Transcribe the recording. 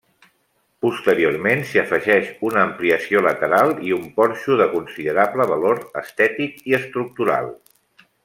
Posteriorment s'hi afegeix una ampliació lateral i un porxo de considerable valor estètic i estructural.